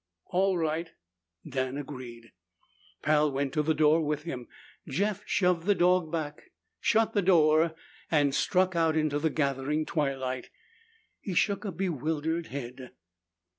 "All right," Dan agreed. Pal went to the door with him. Jeff shoved the dog back, shut the door, and struck into the gathering twilight. He shook a bewildered head.